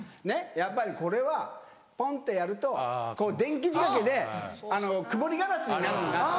やっぱりこれはポンってやると電気仕掛けで曇りガラスになるのがあって。